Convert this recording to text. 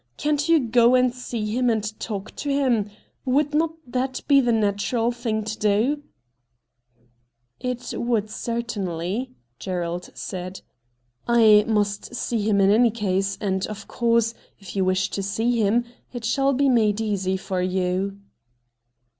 Can't you go and see him and talk to him P Would not that be the natural thing to do ?'' It would, certainly,' Gerald said .' I must see him in any case, and of course, if you wish to see him it shall be made easy for you.